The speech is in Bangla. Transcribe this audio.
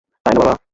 তাই না, বাবা?